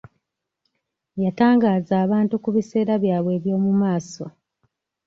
Yatangaaza abantu ku biseera byabwe eby'omumaaso.